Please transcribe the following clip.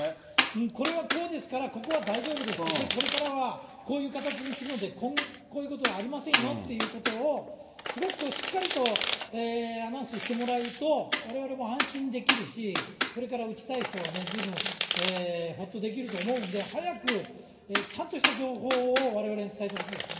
これはこうですから、ここは大丈夫です、で、これからはこういう形にするので、こういうことはありませんよっていうことを、すごくしっかりとアナウンスしてもらうと、われわれも安心できるし、これから打ちたい人はずいぶんほっとできると思うので、早くちゃんとした情報をわれわれに伝えてほしいですね。